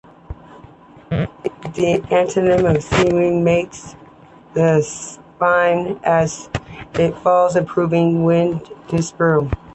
The asymmetry of the seedwing makes it spin as it falls, improving wind dispersal.